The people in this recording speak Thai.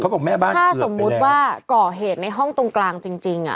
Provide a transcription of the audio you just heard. ถ้าสมมติว่าเกาะเหตุในห้องตรงกลางจริง